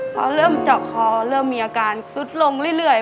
พอเริ่มเจาะคอเริ่มมีอาการสุดลงเรื่อย